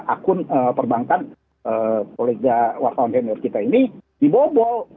akun perbankan kolega wartawan senior kita ini dibobol